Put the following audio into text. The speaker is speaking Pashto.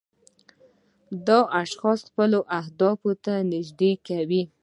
دا اشخاص خپلو اهدافو ته نږدې کوي.